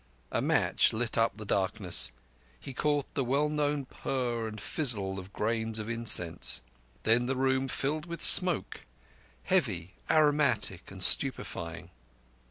A match lit up the darkness; he caught the well known purr and fizzle of grains of incense. Then the room filled with smoke—heavy aromatic, and stupefying.